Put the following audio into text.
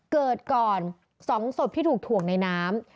เกิดก่อน๒ศพที่ถูกถ่วงในน้ำ